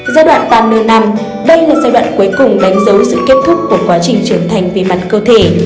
giai đoạn ba mươi năm đây là giai đoạn cuối cùng đánh dấu sự kết thúc của quá trình trưởng thành về mặt cơ thể